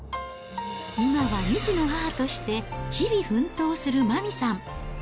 今は２児の母として、日々奮闘する麻美さん。